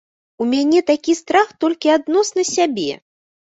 У мяне такі страх толькі адносна сябе.